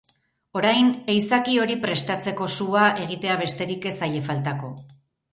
Orain, ehizaki hori prestatzeko sua egitea besterik ez zaie faltako.